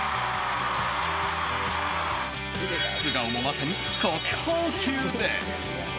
素顔もまさに国宝級です。